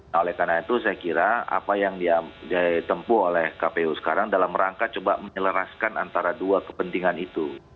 nah oleh karena itu saya kira apa yang ditempuh oleh kpu sekarang dalam rangka coba menyelaraskan antara dua kepentingan itu